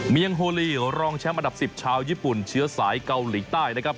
เมียงโฮลีรองแชมป์อันดับ๑๐ชาวญี่ปุ่นเชื้อสายเกาหลีใต้นะครับ